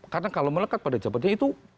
karena kalau melekat pada jabatannya itu